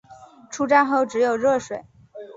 出站后只有热水